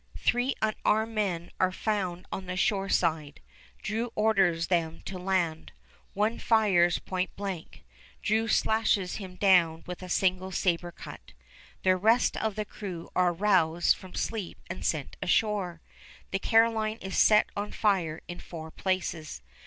Three unarmed men are found on the shore side. Drew orders them to land. One fires point blank; Drew slashes him down with a single saber cut. The rest of the crew are roused from sleep and sent ashore. The Caroline is set on fire in four places.